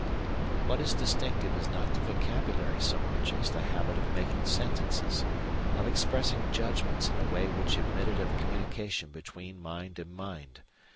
But what is distinctive is not the vocabulary so much as the habit of making sentences, of expressing judgments in a way which admitted of communication between mind and mind.